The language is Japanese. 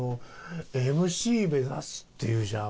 ＭＣ目指すって言うじゃん